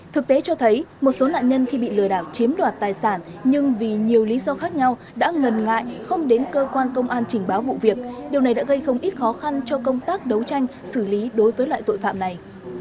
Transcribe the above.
thực tế cho thấy một số nạn nhân khi bị lừa đảo chiếm đoạt tài sản nhưng vì nhiều lý do khác nhau đã ngần ngại không đến cơ quan công an trình báo vụ việc điều này đã gây không ít khó khăn cho công tác đấu tranh xử lý đối với loại tội phạm này